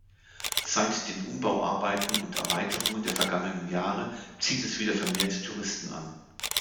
Seit den Umbauarbeiten und Erweiterungen der vergangenen Jahre zieht es wieder vermehrt Touristen an.